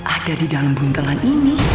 ada di dalam buntelan ini